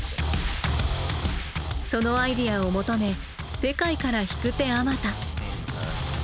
そのアイデアを求め世界から引く手あまた。